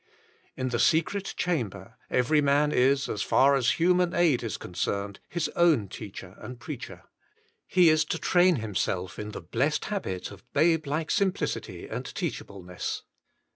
In the secret chamber every man is, as far as human aid is concerned, his own teacher and preacher. He is to train himself in the blessed habit of babe like simplicity and teachableness.